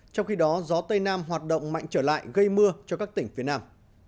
trong khi đó gió tây nam hoạt động mạnh trở lại gây mưa cho các tỉnh phía nam